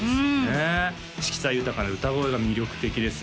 うん色彩豊かな歌声が魅力的です